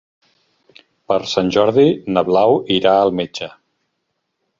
Per Sant Jordi na Blau irà al metge.